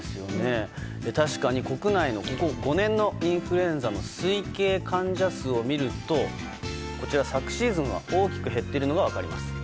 確かに国内のここ５年のインフルエンザの推計患者数を見ると昨シーズンは大きく減っているのが分かります。